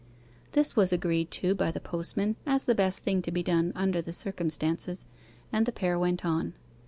This was agreed to by the postman as the best thing to be done under the circumstances, and the pair went on.